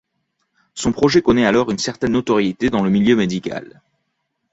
Son projet connaît alors une certaine notoriété dans le milieu médical.